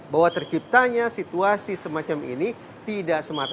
bahwa terciptanya situasi semacam ini tidak semata mata